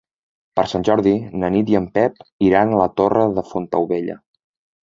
Per Sant Jordi na Nit i en Pep iran a la Torre de Fontaubella.